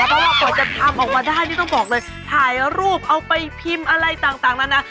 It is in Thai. เพราะว่ากว่าจะทำออกมาได้นี่ต้องบอกเลยถ่ายรูปเอาไปพิมพ์อะไรต่างนานา